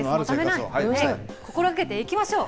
心がけていきましょう。